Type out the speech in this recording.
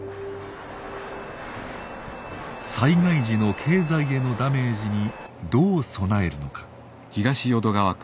災害時の経済へのダメージにどう備えるのか。